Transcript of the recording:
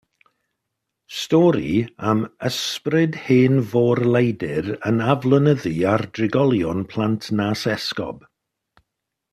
Stori am ysbryd hen fôr-leidr yn aflonyddu ar drigolion Plas Nant Esgob.